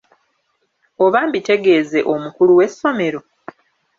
Oba mbitegeeze omukulu w’essomero?